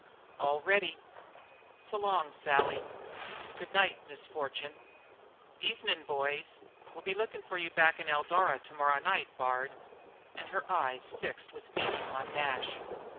"All ready." "S'long, Sally." "Good night, Miss Fortune." "Evenin', boys. We'll be lookin' for you back in Eldara to morrow night, Bard." And her eyes fixed with meaning on Nash.